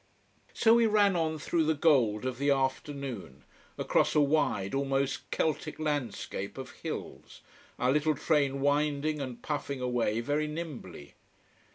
So we ran on through the gold of the afternoon, across a wide, almost Celtic landscape of hills, our little train winding and puffing away very nimbly.